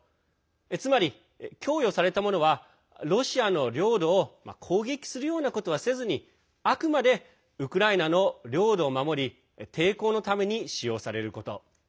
つまり、供与されたものはロシアの領土を攻撃するようなことはせずにあくまでウクライナの領土を守り抵抗のために使用されること。